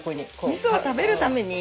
味噌を食べるために。